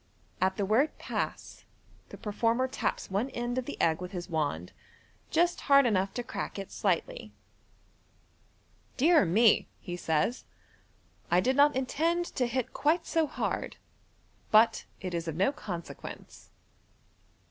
*' At the word, "Pass," the performer taps one end of the egg with his wand, just hard enough to crack it slightly. * Dear me," he says ;" I did not intend to hit quite so hard j but it is of no consequence.'